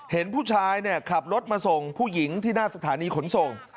เห็นผู้ชายขับรถมาส่งผู้หญิงที่หน้าสถานีขนส่ง